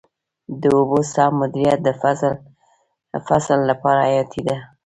د اوبو سم مدیریت د فصل لپاره حیاتي دی.